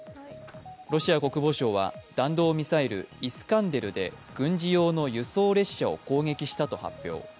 ロシア国防省は弾道ミサイル、イスカンデルで軍事用の輸送列車を攻撃したと発表。